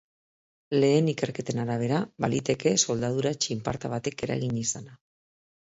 Lehen ikerketen arabera, baliteke soldadura-txinparta batek eragin izana.